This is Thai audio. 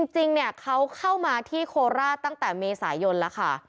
จริงเขาเข้ามาที่โคลาศตั้งแต่เมษายนละค่ะ